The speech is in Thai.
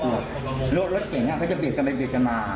แล้วรถเก่งเขาจะเบลียกจังก็เปลี่ยนกันไปโบบนจะมา